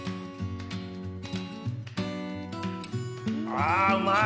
あうまい！